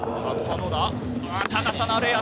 高さのあるエア。